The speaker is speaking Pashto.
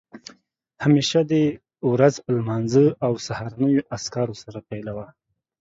همېشه دې ورځ په لمانځه او سهارنیو اذکارو سره پیلوه